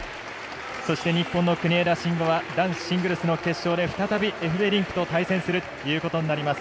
そして日本の国枝慎吾は男子シングルスの決勝で再びエフベリンクと対戦するということになります。